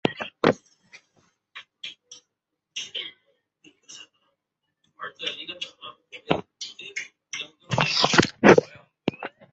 本条目为北宋曹洞宗心空禅师的祖师塔概述。